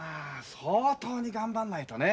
相当に頑張んないとね。